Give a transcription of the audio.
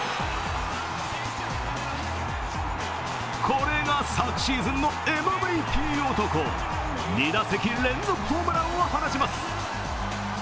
これが昨シーズンのＭＶＰ男２打席連続ホームランを放ちます。